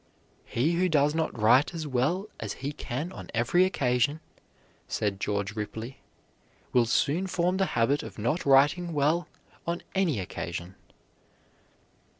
"He who does not write as well as he can on every occasion," said George Ripley, "will soon form the habit of not writing well on any occasion."